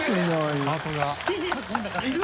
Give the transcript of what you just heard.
ハートが。